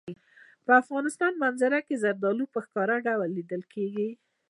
د افغانستان په منظره کې زردالو په ښکاره لیدل کېږي.